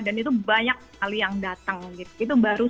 dan itu banyak kali yang datang gitu